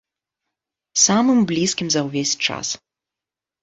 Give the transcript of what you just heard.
Самым блізкім за ўвесь час.